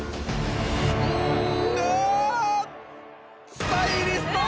スタイリストさん！